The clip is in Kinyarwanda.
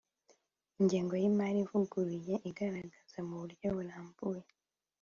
Ingengo y’imari ivuguruye igaragaza mu buryo burambuye